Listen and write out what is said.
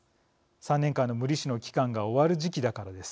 ３年間の無利子の期間が終わる時期だからです。